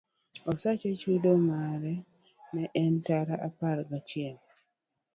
Osache chudo mare ne en tara apar ga chiel.